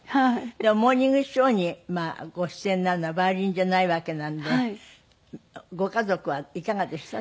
でも『モーニングショー』にご出演になるのはヴァイオリンじゃないわけなのでご家族はいかがでした？